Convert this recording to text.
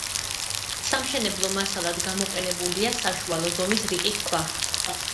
სამშენებლო მასალად გამოყენებულია საშუალო ზომის რიყის ქვა.